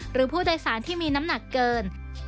หรือผู้โดยสารที่มีน้ำหนักเกิน